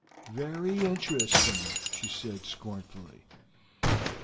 "Very interesting!" she said scornfully.